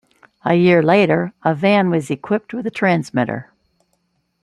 A year later a van was equipped with a transmitter.